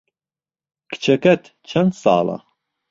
کچەکەت چەند ساڵە؟